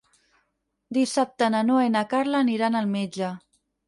Dissabte na Noa i na Carla aniran al metge.